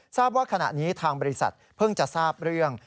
ทราบว่าขณะนี้ทางบริษัทเพิ่งจะทราบเรื่อง